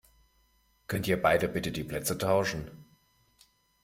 Könnt ihr beide bitte die Plätze tauschen?